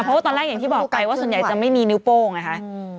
เพราะว่าตอนแรกอย่างที่บอกไปว่าส่วนใหญ่จะไม่มีนิ้วโป้งไงคะ